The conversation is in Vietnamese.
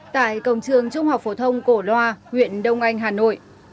tại cổng trường trung học phổ thông cổ loa huyện đông anh hà nội